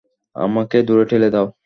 আমাকে দূরে ঠেলে দাও।